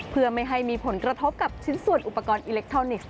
เพื่อไม่ให้มีผลกระทบกับชิ้นส่วนอุปกรณ์อิเล็กทรอนิกส์